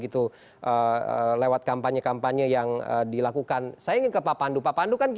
terima kasih pak